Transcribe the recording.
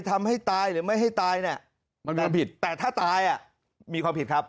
ทำให้ตายหรือไม่ให้ตายเนี่ยมันเป็นผิดแต่ถ้าตายอ่ะมีความผิดครับ